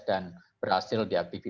dan berhasil dihabiskan